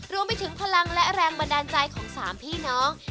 รวมไปถึงพลังและแรงบันดาลใจของสามพี่น้อง